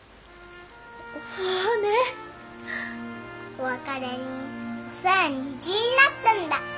お別れにお空の虹になったんだ。